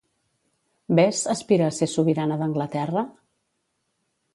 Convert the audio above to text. Bess aspira a ser sobirana d'Anglaterra?